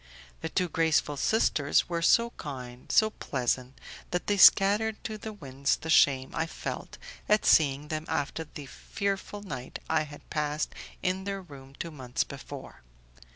The two graceful sisters were so kind, so pleasant, that they scattered to the winds the shame I felt at seeing them after the fearful night I had passed in their room two months before.